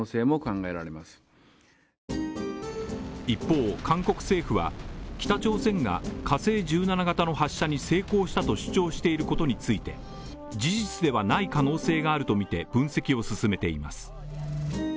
一方、韓国政府は北朝鮮が火星１７型の発射に成功したと主張していることについて事実ではない可能性があるとみて分析を進めています。